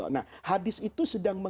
nah hadis itu sedang